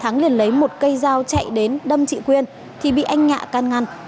nhìn lấy một cây dao chạy đến đâm chị quyên thì bị anh nhã can ngăn